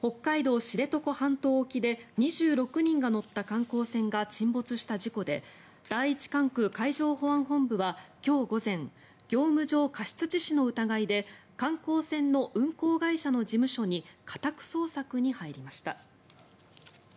北海道・知床半島沖で２６人が乗った観光船が沈没した事故で第一管区海上保安本部は今日午前業務上過失致死の疑いで観光船の運航会社の事務所に家宅捜索に入りました。